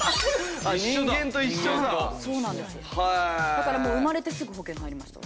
だからもう生まれてすぐ保険に入りました。